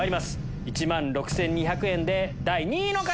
１万６２００円で第２位の方！